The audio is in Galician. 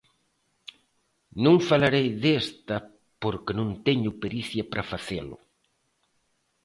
Non falarei desta porque non teño pericia para facelo.